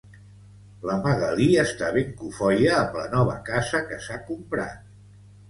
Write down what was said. La Magalí està ben cofoia amb la nova casa que s'ha comprat